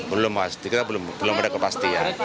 belum mas kita belum ada kepastian